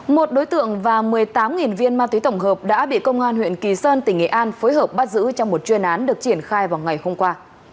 một đối tượng và một mươi tám viên ma túy tổng hợp đã bị công an huyện kỳ sơn tỉnh nghệ an phối hợp bắt giữ trong một chuyên án được triển khai vào ngày hôm qua